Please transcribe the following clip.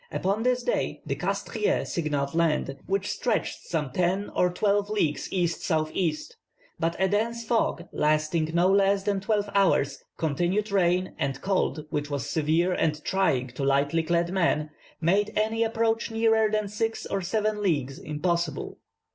Upon this day the Castries signalled land, which stretched some ten or twelve leagues E.S.E.; but a dense fog, lasting no less than twelve hours, continued rain, and cold, which was severe and trying to lightly clad men, made any approach nearer than six or seven leagues impossible.